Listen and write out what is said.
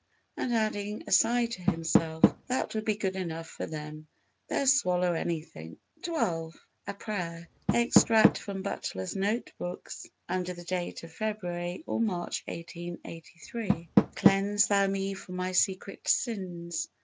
And adding aside to himself: "That will be good enough for them; they'll swallow anything." xii. A Prayer Extract from Butler's Note Books under the date of February or March 1883: "'Cleanse thou me from my secret sins.